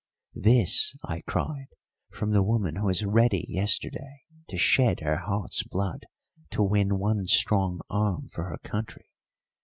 "This," I cried, "from the woman who was ready yesterday to shed her heart's blood to win one strong arm for her country?